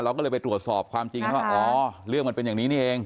เราก็เลยไปตรวจสอบความจริงให้ว่าอ๋อเรื่องมันเป็นอย่างนี้นี่เอง